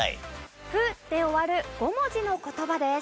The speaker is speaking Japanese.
「プ」で終わる５文字の言葉です。